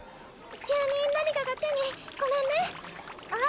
急に何かが手にごめんねああ